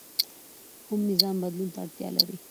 هر نظام بدلون ته اړتیا لري